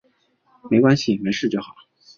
没关系，没事就好